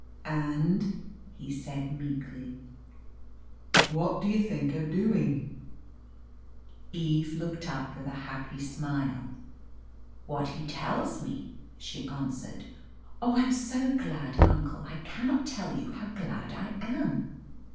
"And," he said meekly, "what do you think of doing?" Eve looked up with a happy smile. "What he tells me," she answered. "Oh, I am so glad, uncle; I cannot tell you how glad I am."